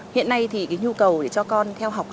hiện nay thì cái nhu cầu để cho con theo học